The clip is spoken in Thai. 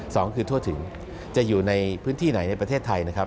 สองคือทั่วถึงจะอยู่ในพื้นที่ไหนในประเทศไทยนะครับ